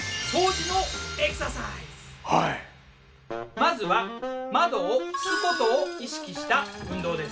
まずは窓を拭くことを意識した運動です。